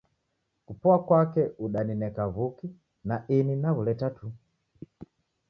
Kupoa kwake udanineka w'uki, na ini naghuleta tu.